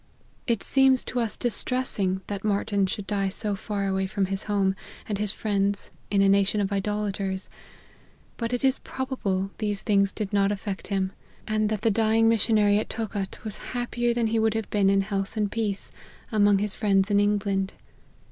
It seems to us distressing, thai Martyn should die so far away from his home, and his friends, in a nation of idolaters ; but it is proba ble these things did not affect him, and that the dying missionary at Tocat was happier than he would have been in health and peace, among his friends in England.